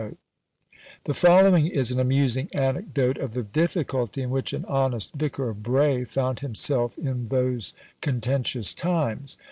" The following is an amusing anecdote of the difficulty in which an honest Vicar of Bray found himself in those contentious times.